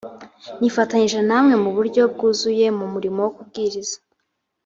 nifatanyije namwe mu buryo bwuzuye mu murimo wo kubwiriza